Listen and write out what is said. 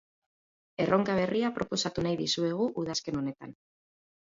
Erronka berria proposatu nahi dizuegu udazken honetan.